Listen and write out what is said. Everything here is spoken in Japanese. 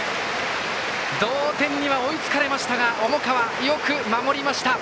同点には追いつかれましたが重川、よく守りました。